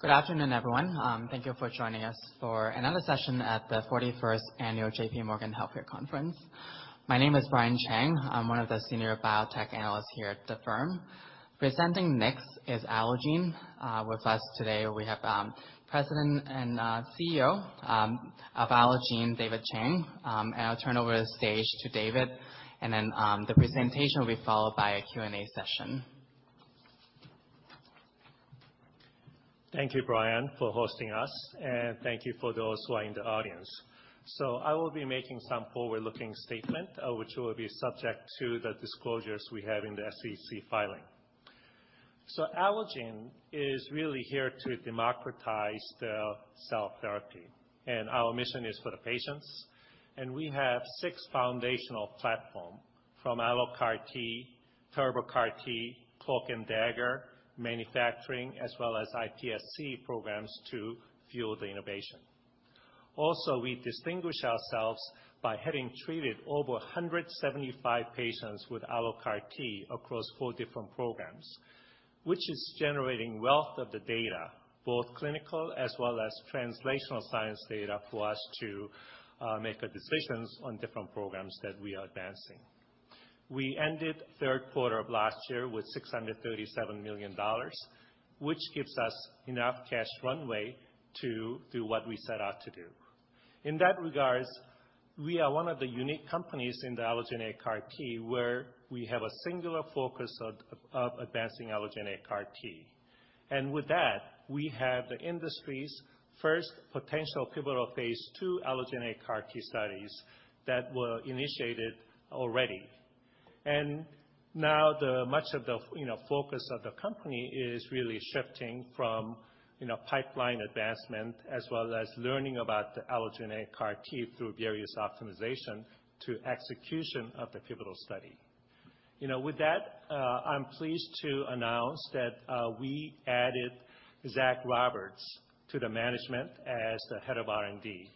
Good afternoon, everyone. Thank you for joining us for another session at the 41st annual J.P. Morgan Healthcare Conference. My name is Brian Chang. I'm one of the senior biotech analysts here at the firm. Presenting next is Allogene. With us today, we have president and CEO of Allogene, David Chang. I'll turn over the stage to David, and then the presentation will be followed by a Q&A session. Thank you, Brian, for hosting us. Thank you for those who are in the audience. I will be making some forward-looking statement, which will be subject to the disclosures we have in the SEC filing. Allogene is really here to democratize the cell therapy. Our mission is for the patients. We have six foundational platform from AlloCAR T, Turbo CAR-T, Cloak & Dagger, manufacturing, as well as iPSC programs to fuel the innovation. Also, we distinguish ourselves by having treated over 175 patients with AlloCAR T across four different programs, which is generating wealth of the data, both clinical as well as translational science data for us to make decisions on different programs that we are advancing. We ended 3rd quarter of last year with $637 million, which gives us enough cash runway to do what we set out to do. In that regards, we are one of the unique companies in the allogeneic CAR-T, where we have a singular focus of advancing allogeneic CAR-T. With that, we have the industry's first potential pivotal phase 2 allogeneic CAR-T studies that were initiated already. Now the much of the, you know, focus of the company is really shifting from, you know, pipeline advancement as well as learning about the allogeneic CAR-T through various optimization to execution of the pivotal study. You know, with that, I'm pleased to announce that we added Zach Roberts to the management as the head of R&D.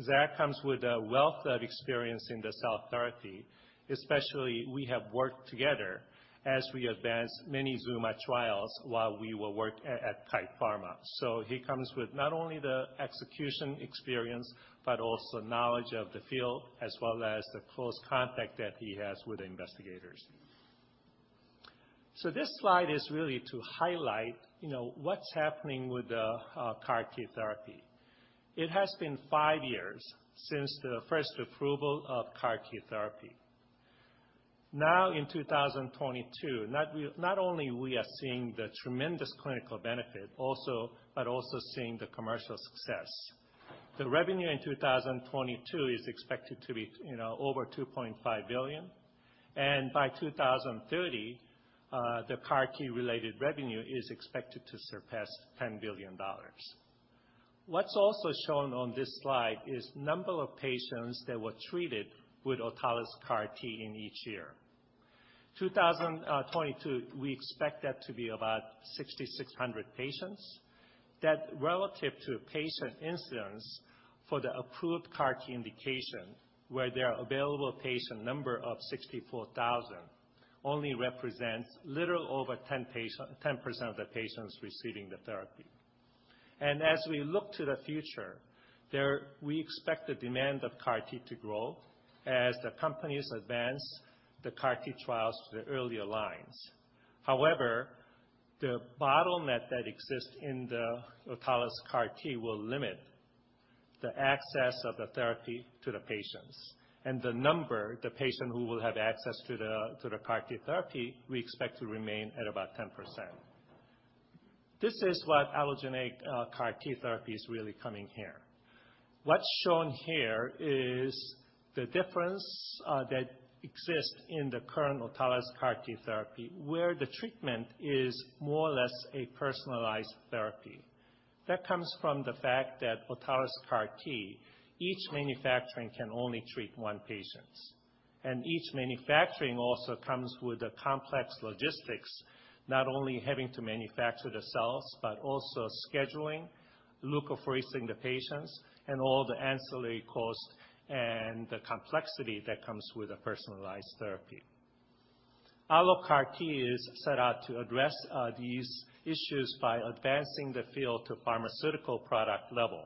Zach comes with a wealth of experience in the cell therapy, especially we have worked together as we advanced many ZUMA trials while we were work at Kite Pharma. He comes with not only the execution experience, but also knowledge of the field as well as the close contact that he has with the investigators. This slide is really to highlight, you know, what's happening with the CAR-T therapy. It has been five years since the first approval of CAR-T therapy. Now in 2022, not only we are seeing the tremendous clinical benefit but also seeing the commercial success. The revenue in 2022 is expected to be, you know, over $2.5 billion. By 2030, the CAR-T-related revenue is expected to surpass $10 billion. What's also shown on this slide is number of patients that were treated with autologous CAR-T in each year. 2022, we expect that to be about 6,600 patients. That relative to patient incidents for the approved CAR-T indication, where there are available patient number of 64,000 only represents little over 10% of the patients receiving the therapy. As we look to the future, there we expect the demand of CAR-T to grow as the companies advance the CAR-T trials to the earlier lines. However, the bottleneck that exists in the autologous CAR-T will limit the access of the therapy to the patients. The number, the patient who will have access to the CAR-T therapy, we expect to remain at about 10%. This is what allogeneic CAR-T therapy is really coming here. What's shown here is the difference that exists in the current autologous CAR-T therapy, where the treatment is more or less a personalized therapy. That comes from the fact that autologous CAR-T, each manufacturing can only treat one patients. Each manufacturing also comes with a complex logistics, not only having to manufacture the cells, but also scheduling, leukapheresis the patients, and all the ancillary costs and the complexity that comes with a personalized therapy. AlloCAR T is set out to address these issues by advancing the field to pharmaceutical product level,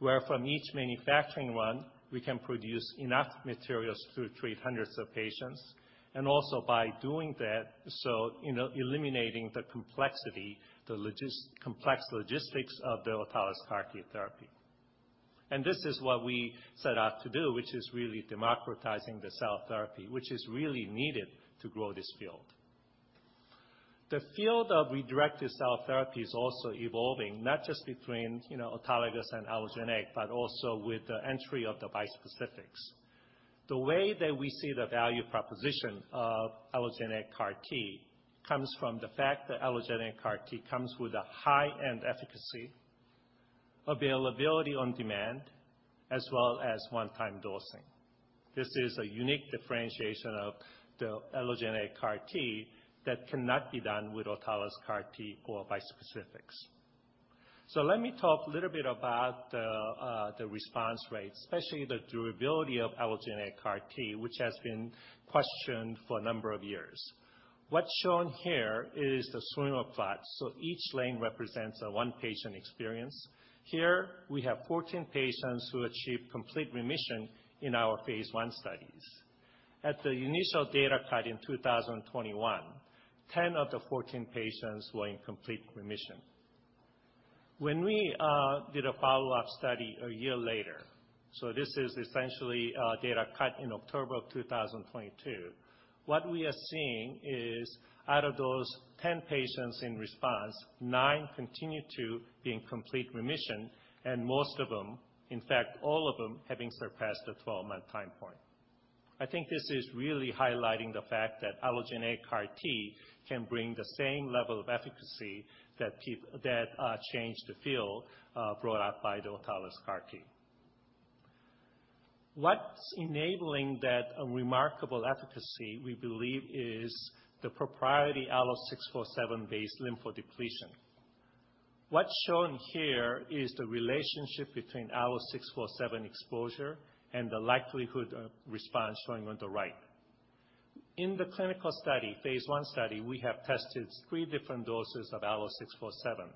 where from each manufacturing run, we can produce enough materials to treat hundreds of patients. Also by doing that, so, you know, eliminating the complexity, the complex logistics of the autologous CAR-T therapy. This is what we set out to do, which is really democratizing the cell therapy, which is really needed to grow this field. The field of redirected cell therapy is also evolving, not just between, you know, autologous and allogeneic, but also with the entry of the bispecifics. The way that we see the value proposition of allogeneic CAR-T comes from the fact that allogeneic CAR-T comes with a high-end efficacy, availability on demand, as well as one-time dosing. This is a unique differentiation of the allogeneic CAR-T that cannot be done with autologous CAR-T or bispecifics. Let me talk a little bit about the response rate, especially the durability allogeneic CAR-T, which has been questioned for a number of years. What's shown here is the swimmer plot. Each lane represents one patient experience. Here, we have 14 patients who achieved complete remission in our phase 1 studies. At the initial data cut in 2021, 10 of the 14 patients were in complete remission. When we did a follow-up study a year later, so this is essentially data cut in October of 2022, what we are seeing is out of those 10 patients in response, nine continue to be in complete remission, and most of them, in fact, all of them, having surpassed the 12-month time point. I think this is really highlighting the fact allogeneic CAR-T can bring the same level of efficacy that changed the field brought out by the CAR-T. What's enabling that remarkable efficacy, we believe, is the proprietary ALLO-647-based lymphodepletion. What's shown here is the relationship between ALLO-647 exposure and the likelihood of response shown on the right. In the clinical study, phase 1 study, we have tested three different doses of ALLO-647.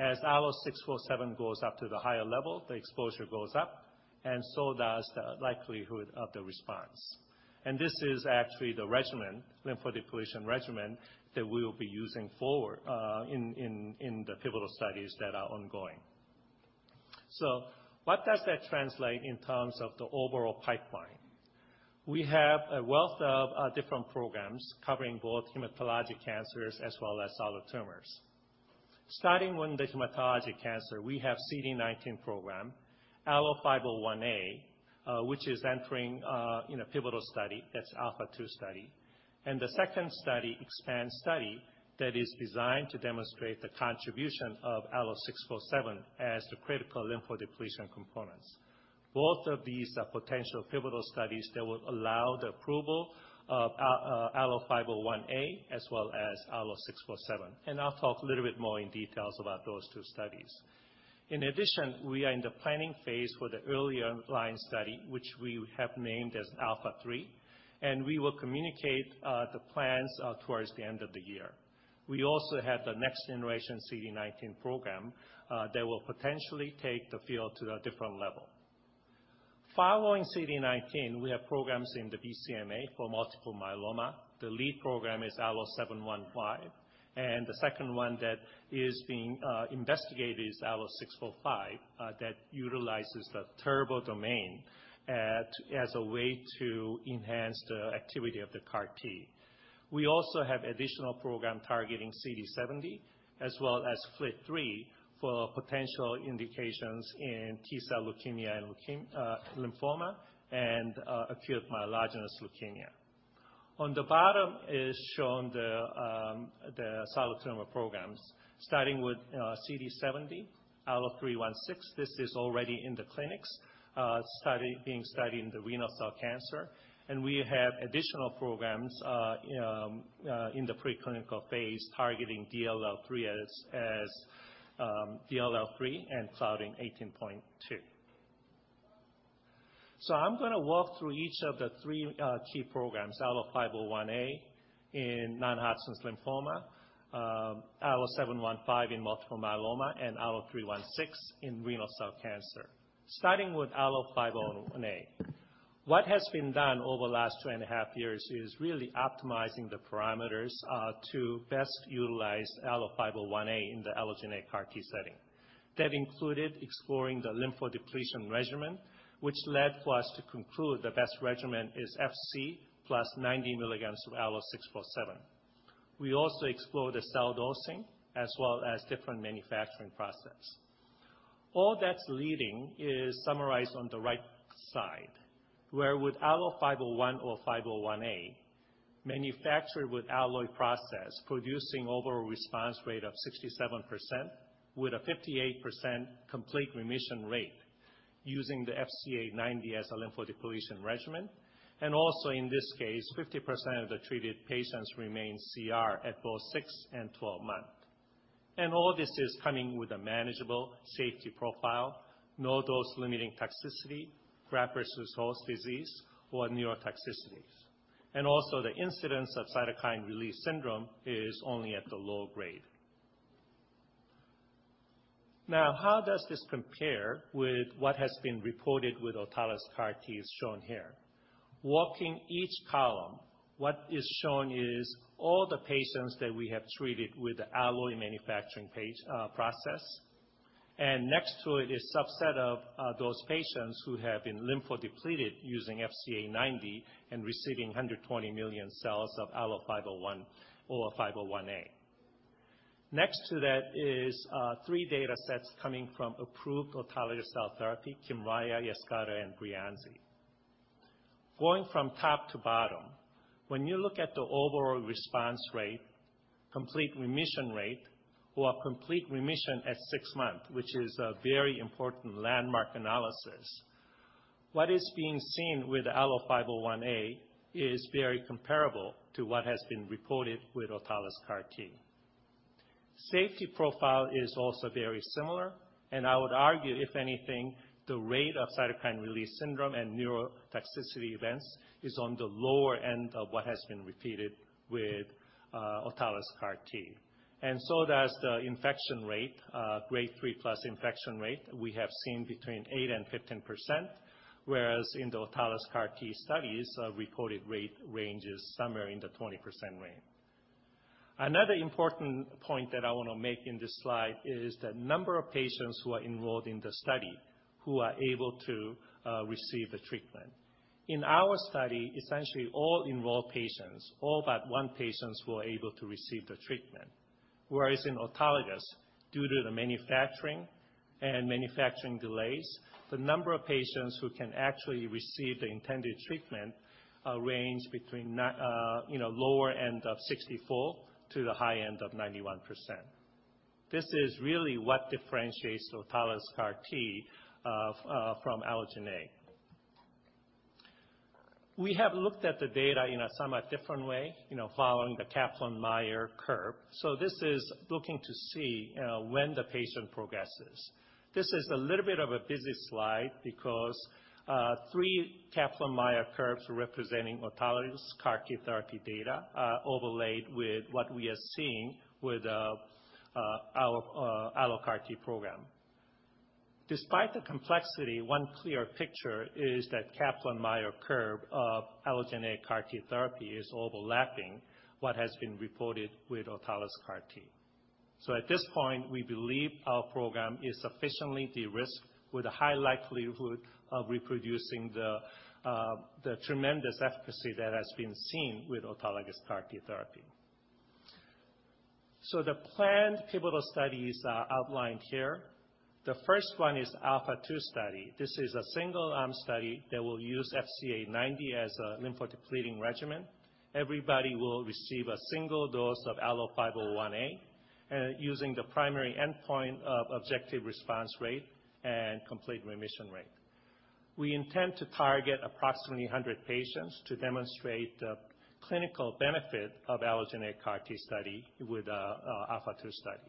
As ALLO-647 goes up to the higher level, the exposure goes up, and so does the likelihood of the response. This is actually the regimen, lymphodepletion regimen, that we will be using forward in the pivotal studies that are ongoing. What does that translate in terms of the overall pipeline? We have a wealth of different programs covering both hematologic cancers as well as solid tumors. Starting with the hematologic cancer, we have CD19 program, ALLO-501A, which is entering in a pivotal study. It's ALPHA2 study. The second study, EXPAND study, that is designed to demonstrate the contribution of ALLO-647 as the critical lymphodepletion components. Both of these are potential pivotal studies that will allow the approval of ALLO-501A as well as ALLO-647. I'll talk a little bit more in details about those two studies. In addition, we are in the planning phase for the earlier line study, which we have named as ALPHA3, and we will communicate the plans towards the end of the year. We also have the next generation CD19 program that will potentially take the field to a different level. Following CD19, we have programs in the BCMA for multiple myeloma. The lead program is ALLO-715, and the second one that is being investigated is ALLO-605 that utilizes the Turbodomain as a way to enhance the activity of CAR-T. We also have additional program targeting CD70 as well as FLT3 for potential indications in T-cell leukemia and lymphoma and acute myelogenous leukemia. On the bottom is shown the solid tumor programs, starting with CD70, ALLO-316. This is already in the clinics, being studied in the renal cell cancer. We have additional programs in the preclinical phase targeting DLL3 and Claudin 18.2. I'm gonna walk through each of the three key programs, ALLO-501A in non-Hodgkin lymphoma, ALLO-715 in multiple myeloma, and ALLO-316 in renal cell cancer. Starting with ALLO-501A. What has been done over the last 2.5 years is really optimizing the parameters to best utilize ALLO-501A in allogeneic CAR-T setting. That included exploring the lymphodepletion regimen, which led for us to conclude the best regimen is FC plus 90 milligrams of ALLO-647. We also explore the cell dosing as well as different manufacturing process. All that's leading is summarized on the right side, where with ALLO-501 or ALLO-501A, manufactured with Alloy process, producing overall response rate of 67% with a 58% complete remission rate using the FCA90 as a lymphodepletion regimen. Also, in this case, 50% of the treated patients remain CR at both six and 12 months. All this is coming with a manageable safety profile, no dose-limiting toxicity, graft-versus-host disease, or neurotoxicities. Also, the incidence of cytokine release syndrome is only at the low grade. Now, how does this compare with what has been reported with CAR-T is shown here. Walking each column, what is shown is all the patients that we have treated with the Alloy manufacturing process. Next to it is subset of those patients who have been lymphodepleted using FCA90 and receiving 120 million cells of ALLO-501 or 501A. Next to that is three datasets coming from approved autologous cell therapy, Kymriah, Yescarta, and Breyanzi. Going from top to bottom, when you look at the overall response rate, complete remission rate, or complete remission at six months, which is a very important landmark analysis. What is being seen with ALLO-501A is very comparable to what has been reported with CAR-T. Safety profile is also very similar. I would argue, if anything, the rate of cytokine release syndrome and neurotoxicity events is on the lower end of what has been repeated with autologous CAR-T. Does the infection rate, grade 3+ infection rate, we have seen between 8% and 15%, whereas in the CAR-T studies, reported rate ranges somewhere in the 20% range. Another important point that I wanna make in this slide is the number of patients who are enrolled in the study who are able to receive the treatment. In our study, essentially all enrolled patients, all but one patients were able to receive the treatment. Whereas in autologous, due to the manufacturing and manufacturing delays, the number of patients who can actually receive the intended treatment, you know, range between lower end of 64 to the high end of 91%. This is really what differentiates autologous CAR-T from allogeneic. We have looked at the data in a somewhat different way, you know, following the Kaplan-Meier curve. This is looking to see when the patient progresses. This is a little bit of a busy slide because three Kaplan-Meier curves representing CAR-T therapy data are overlaid with what we are seeing with our CAR-T program. Despite the complexity, one clear picture is that Kaplan-Meier curve allogeneic CAR-T therapy is overlapping what has been reported with autologous CAR-T. At this point, we believe our program is sufficiently de-risked with a high likelihood of reproducing the tremendous efficacy that has been seen with CAR-T therapy. The planned pivotal studies are outlined here. The first one is ALPHA2 study. This is a single-arm study that will use FCA90 as a lymphodepleting regimen. Everybody will receive a single dose of ALLO-501A using the primary endpoint of objective response rate and complete remission rate. We intend to target approximately 100 patients to demonstrate the clinical benefit allogeneic CAR-T study with ALPHA2 study.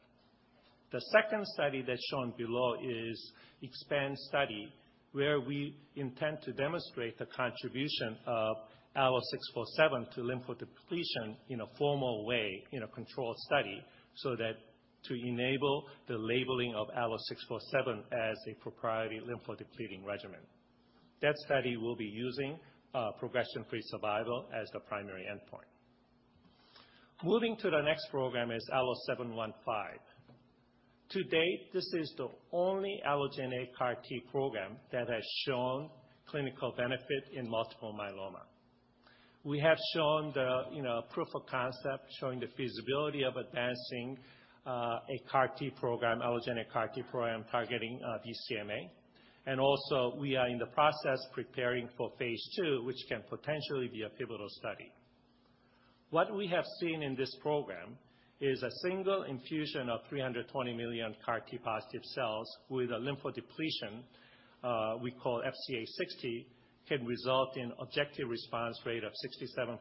The second study that's shown below is EXPAND study, where we intend to demonstrate the contribution of ALLO-647 to lymphodepletion in a formal way, in a controlled study, so that to enable the labeling of ALLO-647 as a proprietary lymphodepleting regimen. That study will be using progression-free survival as the primary endpoint. Moving to the next program is ALLO-715. To date, this is the allogeneic CAR-T program that has shown clinical benefit in multiple myeloma. We have shown the, you know, proof of concept, showing the feasibility of advancing CAR-T allogeneic CAR-T program targeting BCMA. Also, we are in the process preparing for phase 2, which can potentially be a pivotal study. What we have seen in this program is a single infusion of 320 CAR-T-positive cells with a lymphodepletion, we call FCA60, can result in objective response rate of 67%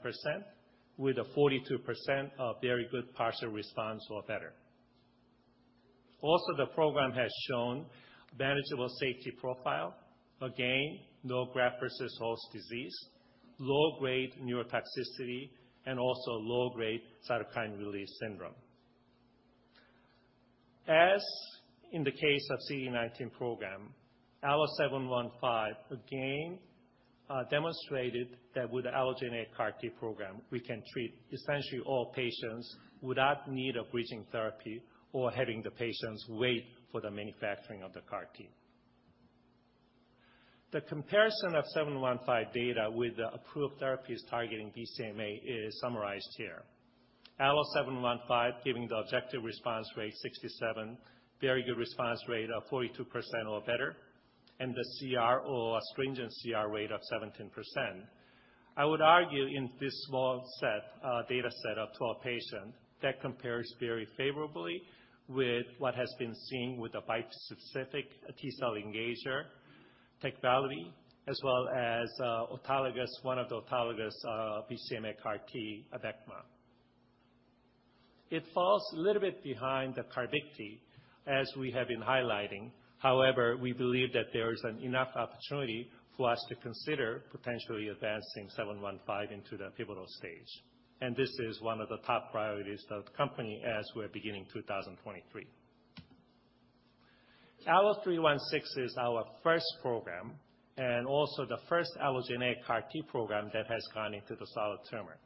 with a 42% of very good partial response or better. The program has shown manageable safety profile. No graft-versus-host disease, low grade neurotoxicity, and also low grade cytokine release syndrome. As in the case of CD19 program, ALLO-715 again demonstrated that with allogeneic CAR-T program, we can treat essentially all patients without need of bridging therapy or having the patients wait for the manufacturing of CAR-T. The comparison of 715 data with the approved therapies targeting BCMA is summarized here. ALLO-715 giving the objective response rate 67, very good response rate of 42% or better, and the CR or a stringent CR rate of 17%. I would argue in this small set, data set of 12 patient, that compares very favorably with what has been seen with a bispecific T-cell engager technology, as well as, autologous, one of the autologous, CAR-T Abecma. It falls a little bit behind the Carvykti as we have been highlighting. However, we believe that there is an enough opportunity for us to consider potentially advancing 715 into the pivotal stage. This is one of the top priorities of the company as we're beginning 2023. ALLO-316 is our first program and also the allogeneic CAR-T program that has gone into the solid tumor.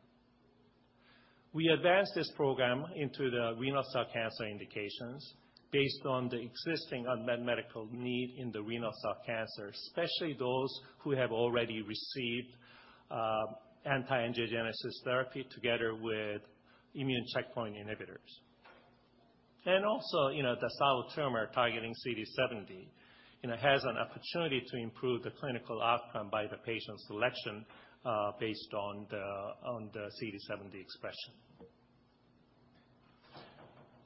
We advanced this program into the renal cell carcinoma indications based on the existing unmet medical need in the renal cell carcinoma, especially those who have already received anti-angiogenesis therapy together with immune checkpoint inhibitors. Also, you know, the solid tumor targeting CD70, you know, has an opportunity to improve the clinical outcome by the patient selection based on the CD70 expression.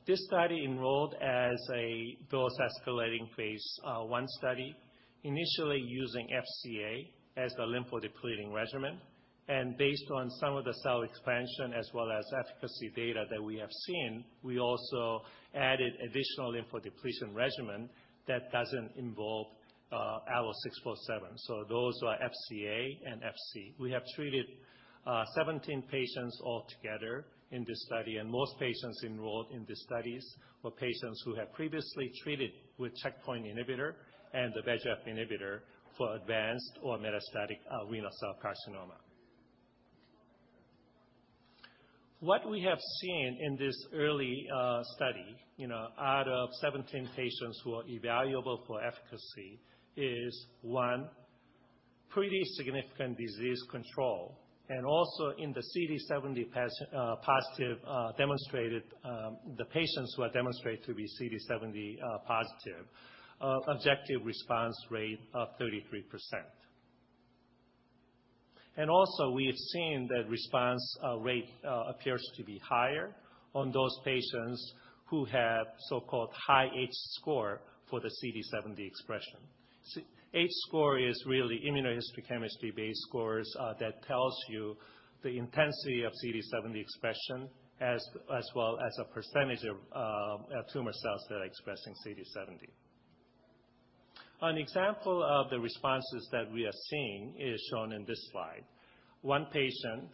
This study enrolled as a dose-escalating phase 1 study initially using FCA as the lymphodepleting regimen. Based on some of the cell expansion as well as efficacy data that we have seen, we also added additional lymphodepletion regimen that doesn't involve ALLO-647. Those are FCA and FC. We have treated 17 patients all together in this study, Most patients enrolled in these studies were patients who had previously treated with checkpoint inhibitor and the VEGF inhibitor for advanced or metastatic renal cell carcinoma. What we have seen in this early study, you know, out of 17 patients who are evaluable for efficacy is one pretty significant disease control. Also in the CD70-positive demonstrated, the patients who are demonstrated to be CD70-positive, objective response rate of 33%. Also we have seen that response rate appears to be higher on those patients who have so-called high H-score for the CD70 expression. H-score is really immunohistochemistry-based scores that tells you the intensity of CD70 expression as well as a percentage of tumor cells that are expressing CD70. An example of the responses that we are seeing is shown in this slide. One patient,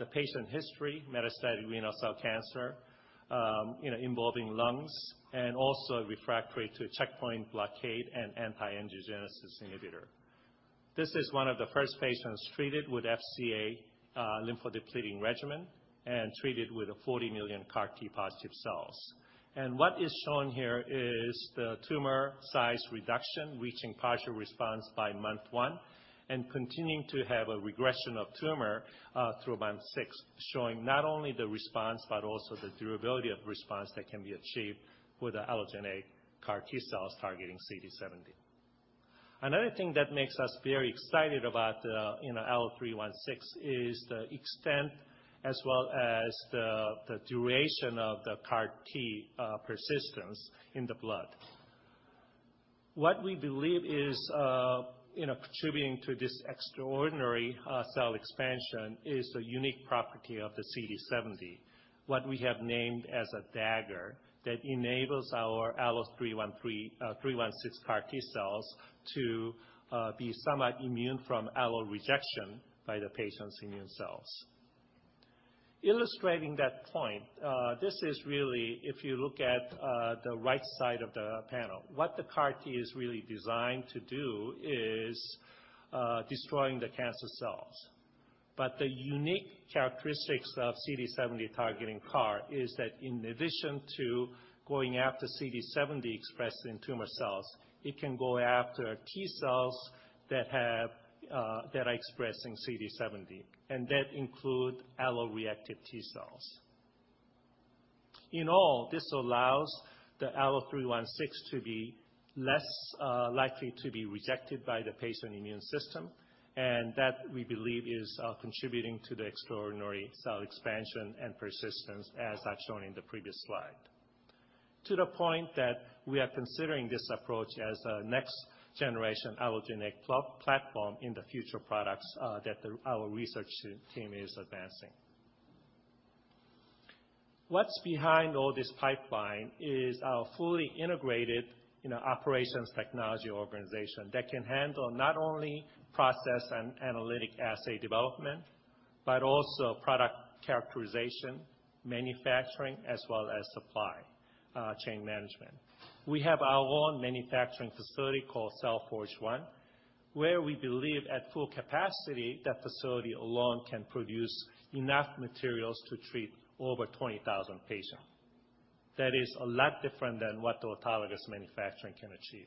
the patient history, metastatic renal cell carcinoma, you know, involving lungs and also refractory to checkpoint blockade and anti-angiogenesis inhibitor. This is one of the first patients treated with FCA lymphodepletion regimen and treated with a 40 million CAR-T-positive cells. What is shown here is the tumor size reduction, reaching partial response by month one and continuing to have a regression of tumor through month six, showing not only the response but also the durability of response that can be achieved with the allogeneic CAR-T-cells targeting CD70. Another thing that makes us very excited about, you know, ALLO-316 is the extent as well as the duration of the CAR-T persistence in the blood. What we believe is, you know, contributing to this extraordinary cell expansion is a unique property of the CD70. What we have named as a Dagger that enables our ALLO-316 CAR-T-cells to be somewhat immune from allo rejection by the patient's immune cells. Illustrating that point, this is really if you look at the right side of the panel, what the CAR-T is really designed to do is destroying the cancer cells. The unique characteristics of CD70 targeting CAR is that in addition to going after CD70 expressed in tumor cells, it can go after T-cells that have that are expressing CD70, and that include alloreactive T-cells. In all, this allows the ALLO-316 to be less likely to be rejected by the patient immune system. That we believe is contributing to the extraordinary cell expansion and persistence, as I've shown in the previous slide. To the point that we are considering this approach as a next-generation allogeneic platform in the future products that our research team is advancing. What's behind all this pipeline is our fully integrated, you know, operations technology organization that can handle not only process and analytic assay development, but also product characterization, manufacturing, as well as supply chain management. We have our own manufacturing facility called Cell Forge 1, where we believe at full capacity that facility alone can produce enough materials to treat over 20,000 patients. That is a lot different than what autologous manufacturing can achieve.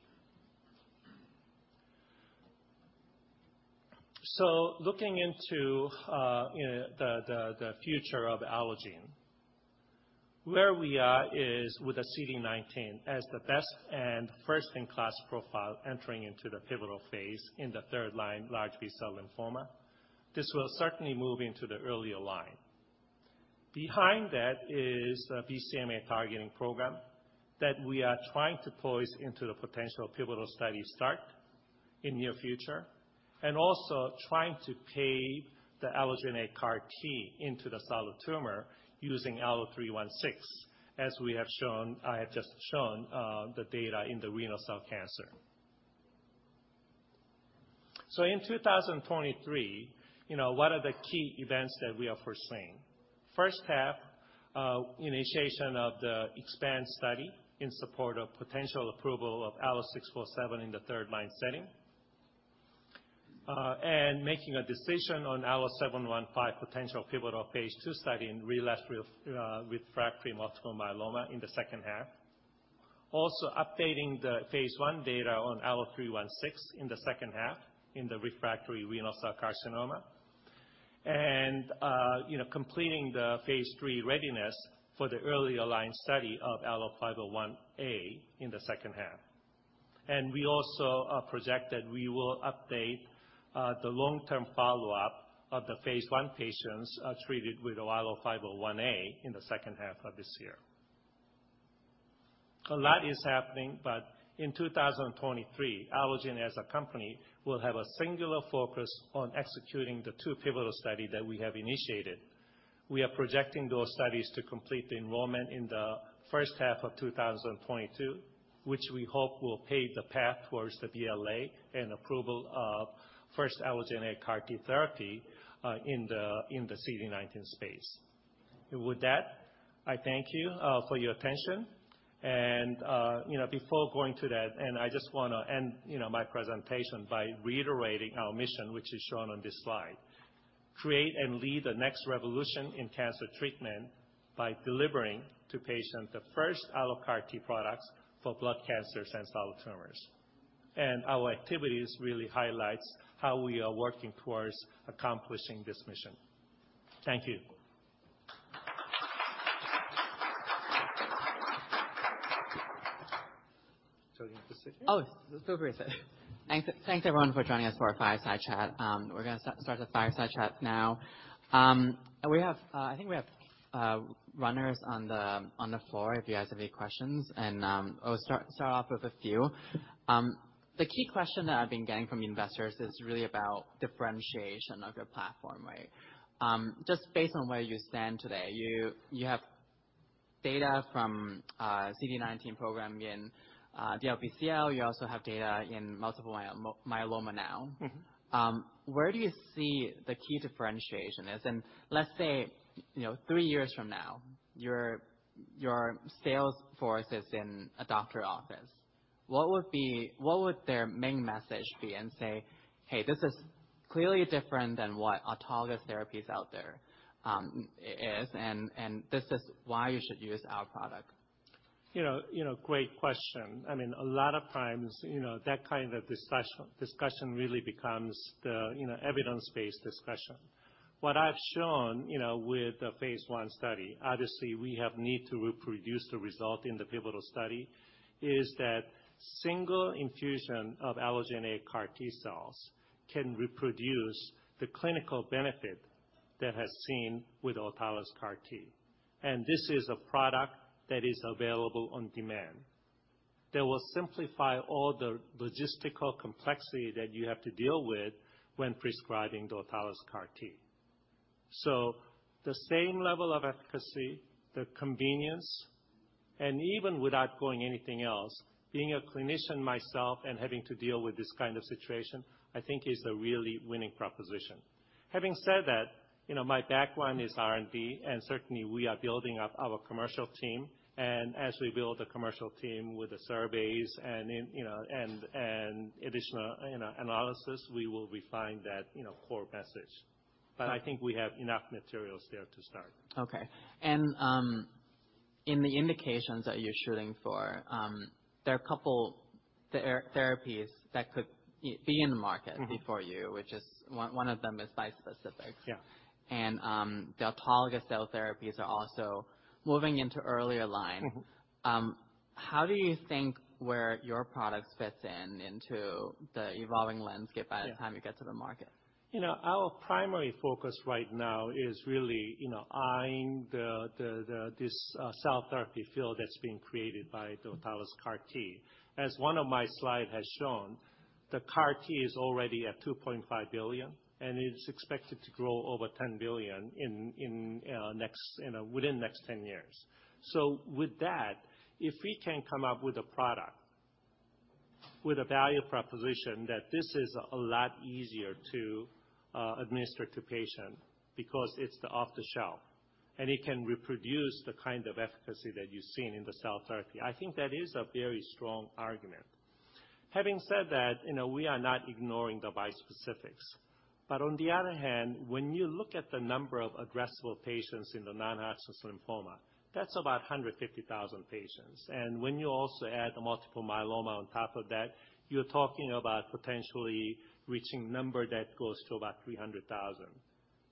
Looking into, you know, the future of Allogene, where we are is with the CD19 as the best and first-in-class profile entering into the pivotal phase in the third-line large B-cell lymphoma. This will certainly move into the earlier line. Behind that is a BCMA targeting program that we are trying to poise into the potential pivotal study start in near future, and also trying to pay the allogeneic CAR-T into the solid tumor using ALLO-316, as we have shown, I have just shown, the data in the renal cell cancer. In 2023, you know, what are the key events that we are foreseeing? First half, initiation of the EXPAND study in support of potential approval of ALLO-647 in the third-line setting. making a decision on ALLO-715 potential pivotal phase 2 study in relapsed refractory multiple myeloma in the second half. Also updating the phase 1 data on ALLO-316 in the second half in the refractory renal cell carcinoma. you know, completing the phase 3 readiness for the early aligned study of ALLO-501A in the second half. we also project that we will update the long-term follow-up of the phase 1 patients treated with ALLO-501A in the second half of this year. A lot is happening, but in 2023, Allogene as a company will have a singular focus on executing the two pivotal study that we have initiated. We are projecting those studies to complete the enrollment in the first half of 2022, which we hope will pave the path towards the BLA and approval of first allogeneic CAR-T therapy in the CD19 space. With that, I thank you for your attention, and you know, before going to that, I just wanna end, you know, my presentation by reiterating our mission, which is shown on this slide. Create and lead the next revolution in cancer treatment by delivering to patients the first CAR-T products for blood cancers and solid tumors. Our activities really highlights how we are working towards accomplishing this mission. Thank you. Thank everyone for joining us for our fireside chat. We're gonna start the fireside chat now. We have, I think we have runners on the floor if you guys have any questions. I'll start off with a few. The key question that I've been getting from investors is really about differentiation of your platform, right? Just based on where you stand today, you have data from CD19 program in DLBCL. You also have data in multiple myeloma now. Mm-hmm. Where do you see the key differentiation is? Let's say, you know, three years from now, your sales force is in a doctor office. What would their main message be and say, "Hey, this is clearly different than what autologous therapies out there, is, and this is why you should use our product"? You know, great question. I mean, a lot of times, you know, that kind of discussion really becomes the, you know, evidence-based discussion. What I've shown, you know, with the phase 1 study, obviously we have need to reproduce the result in the pivotal study, is that single infusion allogeneic CAR-T cells can reproduce the clinical benefit that has seen with autologous CAR-T. This is a product that is available on demand, that will simplify all the logistical complexity that you have to deal with when prescribing the autologous CAR-T. The same level of efficacy, the convenience, and even without going anything else, being a clinician myself and having to deal with this kind of situation, I think is a really winning proposition. Having said that, you know, my background is R&D, and certainly we are building up our commercial team. As we build a commercial team with the surveys and in, you know, and additional, you know, analysis, we will refine that, you know, core message. I think we have enough materials there to start. Okay. In the indications that you're shooting for, there are a couple therapies that could be in the market. Mm-hmm. before you, which is one of them is bispecifics. Yeah. The autologous cell therapies are also moving into earlier line. Mm-hmm. How do you think where your product fits in into the evolving landscape? Yeah. By the time you get to the market? You know, our primary focus right now is really, you know, eyeing this cell therapy field that's being created by the autologous CAR-T. As one of my slide has shown, the CAR-T is already at $2.5 billion, and it is expected to grow over $10 billion within next 10 years. With that, if we can come up with a product with a value proposition that this is a lot easier to administer to patient because it's the off-the-shelf, and it can reproduce the kind of efficacy that you've seen in the cell therapy, I think that is a very strong argument. Having said that, you know, we are not ignoring the bispecifics. On the other hand, when you look at the number of addressable patients in the non-Hodgkin lymphoma, that's about 150,000 patients. When you also add the multiple myeloma on top of that, you're talking about potentially reaching number that goes to about 300,000.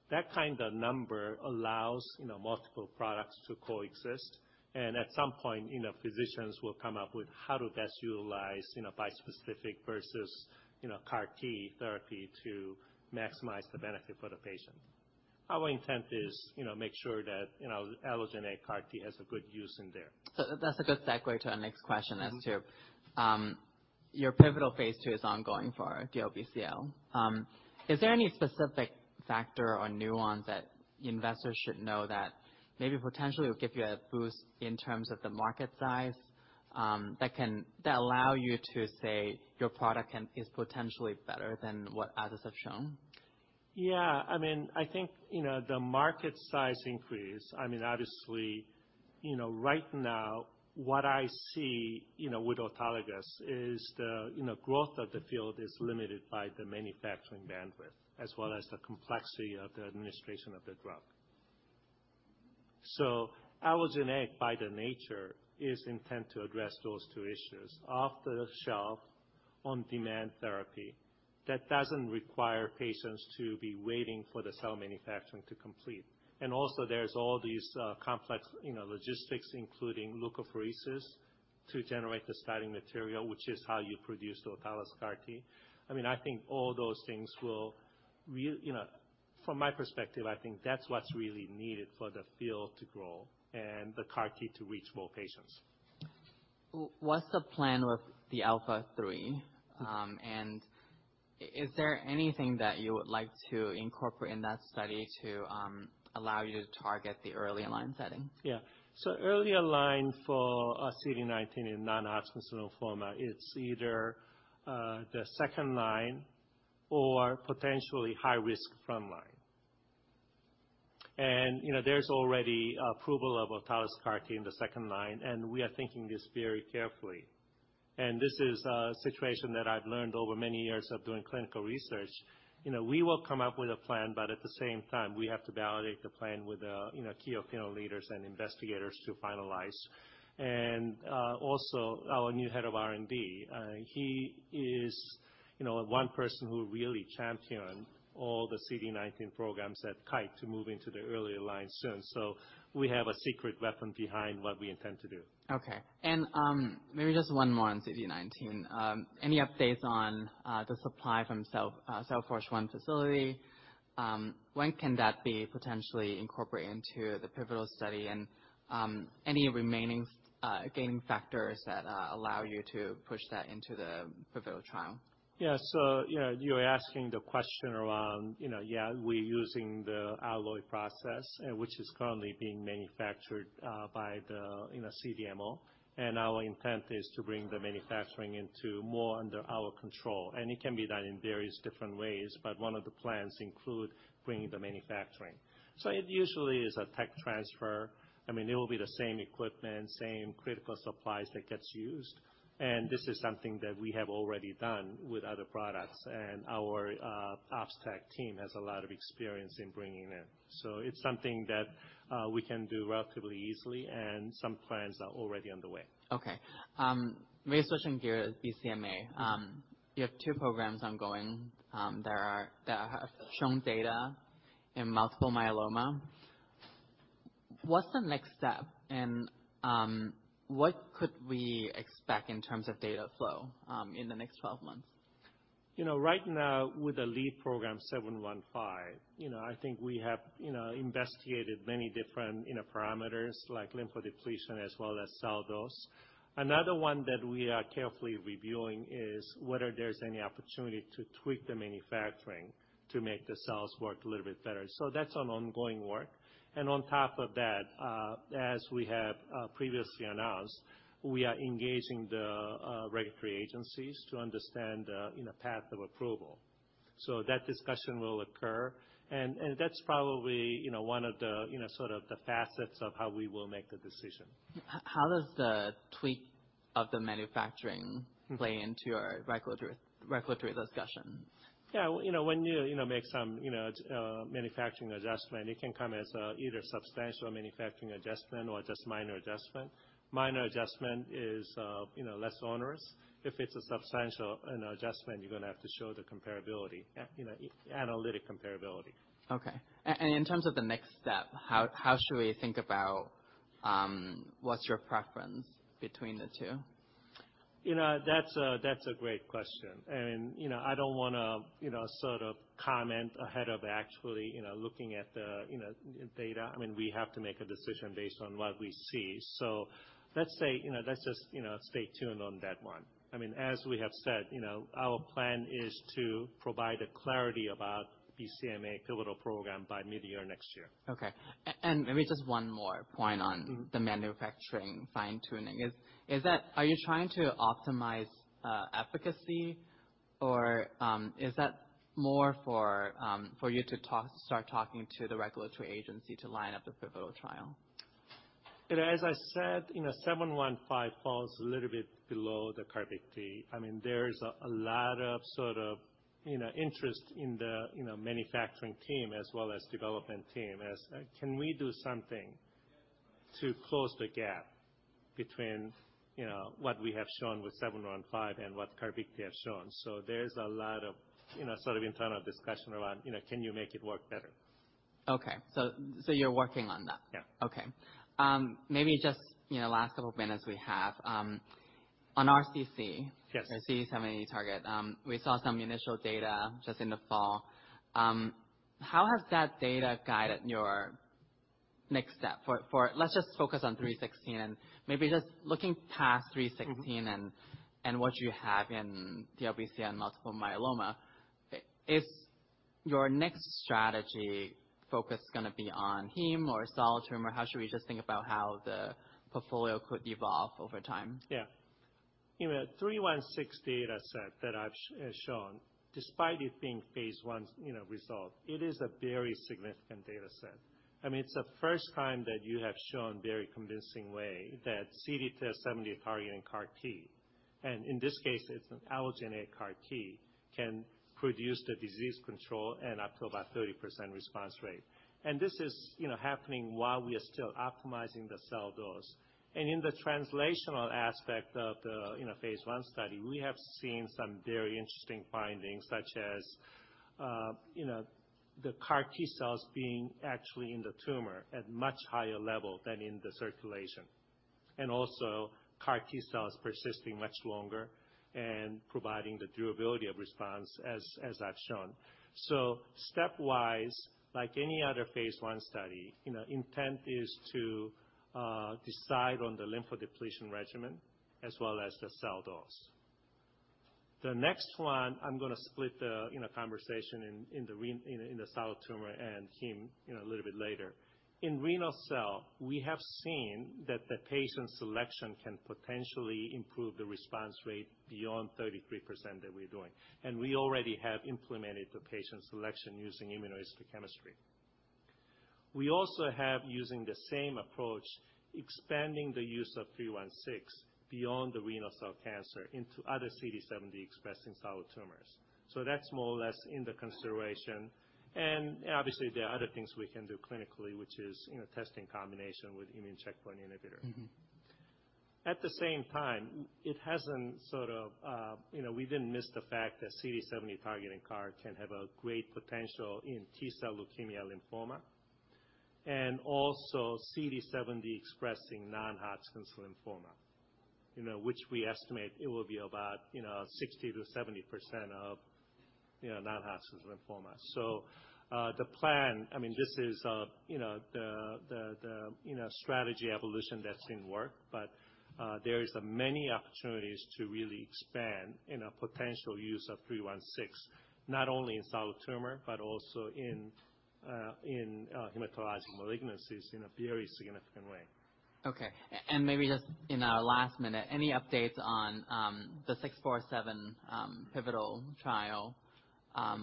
That kind of number allows, you know, multiple products to coexist, and at some point, you know, physicians will come up with how to best utilize, you know, bispecific versus, you CAR-T therapy to maximize the benefit for the patient. Our intent is, you know, make sure that, you allogeneic CAR-T has a good use in there. That's a good segue to our next question. Mm-hmm. Your pivotal phase 2 is ongoing for DLBCL. Is there any specific factor or nuance that investors should know that maybe potentially will give you a boost in terms of the market size, that allow you to say your product is potentially better than what others have shown? Yeah. I mean, I think, you know, the market size increase, I mean, obviously, you know, right now what I see, you know, with autologous is the, you know, growth of the field is limited by the manufacturing bandwidth, as well as the complexity of the administration of the drug. allogeneic by the nature is intent to address those two issues off-the-shelf on-demand therapy that doesn't require patients to be waiting for the cell manufacturing to complete. Also there's all these, complex, you know, logistics, including leukapheresis to generate the starting material, which is how you produce autologous CAR-T. I mean, I think all those things will, you know, from my perspective, I think that's what's really needed for the field to grow and the CAR-T to reach more patients. What's the plan with the ALPHA3? Is there anything that you would like to incorporate in that study to allow you to target the earlier line setting? Yeah. Earlier line for CD19 in non-Hodgkin lymphoma, it's either the second line or potentially high risk front line. You know, there's already approval of autologous CAR-T in the second line, and we are thinking this very carefully. This is a situation that I've learned over many years of doing clinical research. You know, we will come up with a plan, but at the same time, we have to validate the plan with, you know, key opinion leaders and investigators to finalize. Also, our new head of R&D, he is, you know, one person who really champion all the CD19 programs at Kite to move into the earlier line soon. We have a secret weapon behind what we intend to do. Okay. Maybe just one more on CD19. Any updates on the supply from Cell Forge 1 facility? When can that be potentially incorporated into the pivotal study? Any remaining gaining factors that allow you to push that into the pivotal trial? You know, you're asking the question around, you know, yeah, we're using the Alloy process, which is currently being manufactured by the, you know, CDMO. Our intent is to bring the manufacturing into more under our control. It can be done in various different ways, but one of the plans include bringing the manufacturing. It usually is a tech transfer. I mean, it will be the same equipment, same critical supplies that gets used. This is something that we have already done with other products. Our Ops Tech team has a lot of experience in bringing in. It's something that we can do relatively easily, and some plans are already on the way. Okay. maybe switching gears, BCMA. you have two programs ongoing, that have shown data in multiple myeloma. What's the next step? What could we expect in terms of data flow, in the next 12 months? You know, right now with the lead program ALLO-715, you know, I think we have, you know, investigated many different, you know, parameters like lymphodepletion as well as cell dose. Another one that we are carefully reviewing is whether there's any opportunity to tweak the manufacturing to make the cells work a little bit better. That's an ongoing work. On top of that, as we have previously announced, we are engaging the regulatory agencies to understand the, you know, path of approval. That discussion will occur. That's probably, you know, one of the, you know, sort of the facets of how we will make the decision. How does the tweak of the manufacturing play into your regulatory discussions? Yeah. You know, when you know, make some, you know, manufacturing adjustment, it can come as either substantial manufacturing adjustment or just minor adjustment. Minor adjustment is, you know, less onerous. If it's a substantial, you know, adjustment, you're gonna have to show the comparability, you know, analytic comparability. Okay. In terms of the next step, how should we think about what's your preference between the two? You know, that's a, that's a great question. You know, I don't wanna, you know, sort of comment ahead of actually, you know, looking at the, you know, data. I mean, we have to make a decision based on what we see. Let's say, you know, let's just, you know, stay tuned on that one. I mean, as we have said, you know, our plan is to provide a clarity about BCMA pivotal program by midyear next year. Okay. Maybe just one more point on the manufacturing fine-tuning. Are you trying to optimize efficacy? Or is that more for you to start talking to the regulatory agency to line up the pivotal trial? You know, as I said, you know, ALLO-715 falls a little bit below the Carvykti. I mean, there's a lot of sort of, you know, interest in the, you know, manufacturing team as well as development team as, can we do something to close the gap between, you know, what we have shown with ALLO-715 and what Carvykti have shown? There's a lot of, you know, sort of internal discussion around, you know, can you make it work better? Okay. You're working on that? Yeah. Okay. Maybe just, you know, last couple minutes we have. On RCC... Yes. The CD70 target, we saw some initial data just in the fall. How has that data guided your next step for... Let's just focus on ALLO-316 and maybe just looking past ALLO-316 and what you have in DLBC and multiple myeloma. Is your next strategy focus gonna be on heme or solid tumors, how should we just think about how the portfolio could evolve over time? Yeah. You know, ALLO-316 dataset that I've shown, despite it being phase 1, you know, result, it is a very significant dataset. I mean, it's the first time that you have shown very convincing way that CD70 targeting CAR-T, and in this case, it's an allogeneic CAR-T, can produce the disease control and up to about 30% response rate. This is, you know, happening while we are still optimizing the cell dose. In the translational aspect of the, you know, phase 1 study, we have seen some very interesting findings such as, The CAR-T cells being actually in the tumor at much higher level than in the circulation, and also CAR-T cells persisting much longer and providing the durability of response as I've shown. Stepwise, like any other phase I study, you know, intent is to decide on the lymphodepletion regimen as well as the cell dose. The next one, I'm gonna split the, you know, conversation in the solid tumor and heme, you know, a little bit later. In renal cell, we have seen that the patient selection can potentially improve the response rate beyond 33% that we're doing, and we already have implemented the patient selection using immunohistochemistry. We also have, using the same approach, expanding the use of ALLO-316 beyond the renal cell cancer into other CD70 expressing solid tumors. That's more or less in the consideration, and obviously there are other things we can do clinically, which is, you know, testing combination with immune checkpoint inhibitor. Mm-hmm. At the same time, it hasn't sort of, you know, we didn't miss the fact that CD70 targeting CAR can have a great potential in T-cell leukemia lymphoma, and also CD70 expressing non-Hodgkin lymphoma, you know, which we estimate it will be about, you know, 60%-70% of, you know, non-Hodgkin lymphoma. The plan, I mean, this is, you know, the strategy evolution that's in work. There is a many opportunities to really expand in a potential use of 316, not only in solid tumor, but also in hematologic malignancies in a very significant way. Okay. Maybe just in our last minute, any updates on ALLO-647 pivotal trial? Are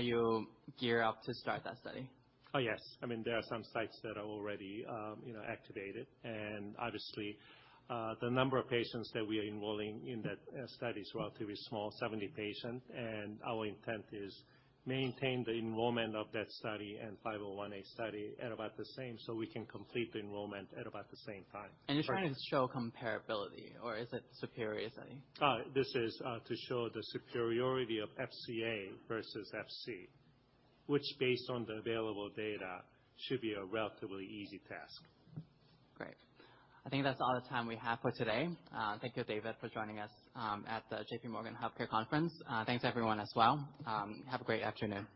you gear up to start that study? Yes. I mean, there are some sites that are already, you know, activated. The number of patients that we are enrolling in that study is relatively small, 70 patients, and our intent is maintain the enrollment of that study and ALLO-501A study at about the same, so we can complete the enrollment at about the same time. You're trying to show comparability or is it superiority? This is to show the superiority of FCA versus FC, which based on the available data should be a relatively easy task. Great. I think that's all the time we have for today. Thank you, David, for joining us at the J.P. Morgan Healthcare Conference. Thanks everyone as well. Have a great afternoon.